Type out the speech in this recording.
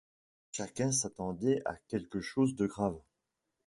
Chacun s’attendait à quelque chose de grave.